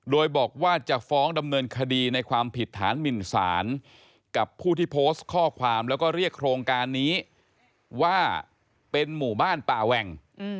โดยบอกว่าจะฟ้องดำเนินคดีในความผิดฐานหมินสารกับผู้ที่โพสต์ข้อความแล้วก็เรียกโครงการนี้ว่าเป็นหมู่บ้านป่าแหว่ง